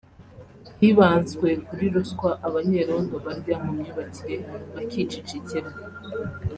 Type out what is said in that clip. Hibanzwe kuri ruswa abanyerondo barya mu myubakire bakicecekera